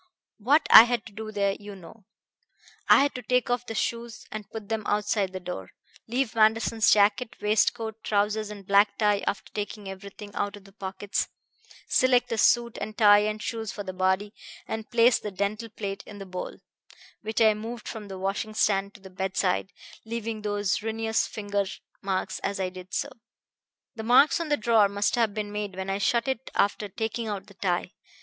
"What I had to do there you know. I had to take off the shoes and put them outside the door, leave Manderson's jacket, waistcoat, trousers and black tie, after taking everything out of the pockets, select a suit and tie and shoes for the body, and place the dental plate in the bowl, which I moved from the washing stand to the bedside, leaving those ruinous finger marks as I did so. The marks on the drawer must have been made when I shut it after taking out the tie.